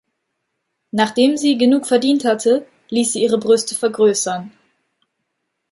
Nachdem sie genug verdient hatte, ließ sie ihre Brüste vergrößern.